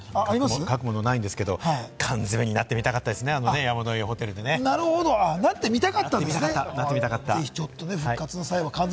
書くものないんですけれども、缶詰になってみたかったですね、山の上ホテルみたいに。